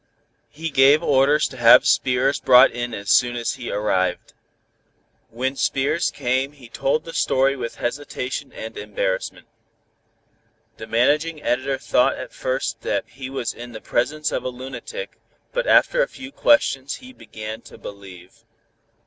He gave orders to have Spears brought in as soon as he arrived. When Spears came he told the story with hesitation and embarrassment. The Managing Editor thought at first that he was in the presence of a lunatic, but after a few questions he began to believe.